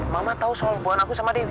mama tahu soal buah anakku sama dewi